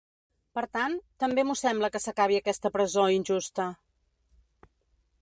Per tant, també m’ho sembla que s’acabi aquesta presó injusta.